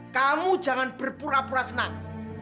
kamu jangan berpura pura senang